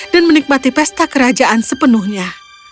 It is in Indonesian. dan menikmati pesta kerajaan sepenuhnya